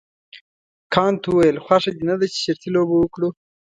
کانت وویل خوښه دې نه ده چې شرطي لوبه وکړو.